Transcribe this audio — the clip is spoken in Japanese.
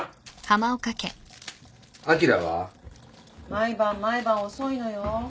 毎晩毎晩遅いのよ。